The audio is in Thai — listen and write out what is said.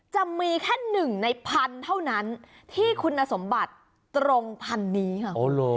จะมีแค่๑ในพันเท่านั้นที่คุณสมบัติตรงพันนี้ค่ะ